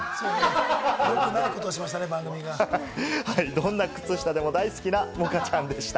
どんな靴下でも大好きなモカちゃんでした。